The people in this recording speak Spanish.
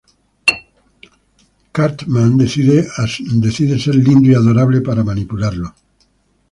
Cartman decide a ser lindo y adorable para manipularlo.